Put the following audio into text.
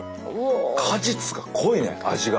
果実が濃いね味が。